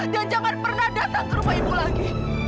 dan jangan pernah datang ke rumah ibu lagi